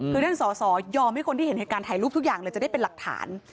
คือท่านสอสอยอมให้คนที่เห็นเหตุการณ์ถ่ายรูปทุกอย่างเลยจะได้เป็นหลักฐาน